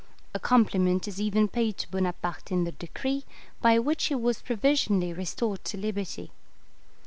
A compliment is even paid to Bonaparte in the decree, by which he was provisionally restored to liberty.